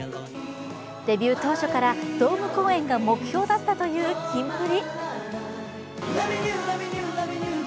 デビュー当初からドーム公演が目標だったというキンプリ。